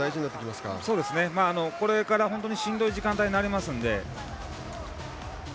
まあ、これから本当にしんどい時間帯になるので。